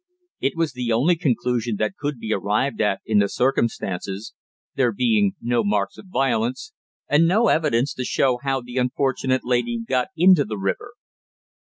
It was the only conclusion that could be arrived at in the circumstances, there being no marks of violence, and no evidence to show how the unfortunate lady got into the river.